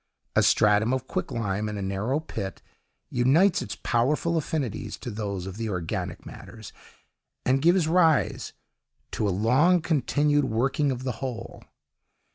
A stratum of quicklime, in a narrow pit, unites its powerful affinities to those of the organic matters, and gives rise to a long continued working of the whole.